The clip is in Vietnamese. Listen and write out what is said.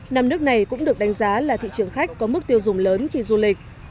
năm nước này cũng được đánh giá là thị trường khách có mức tiêu dùng lớn khi du lịch